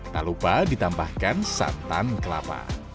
tak lupa ditambahkan santan kelapa